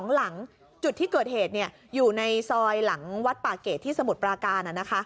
หลังจุดที่เกิดเหตุอยู่ในซอยหลังวัดป่าเกรดที่สมุทรปราการ